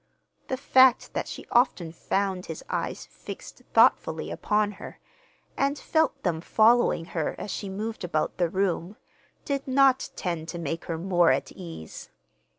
The fact that she often found his eyes fixed thoughtfully upon her, and felt them following her as she moved about the room, did not tend to make her more at ease.